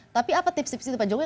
tapi apa tips tips itu pak jokowi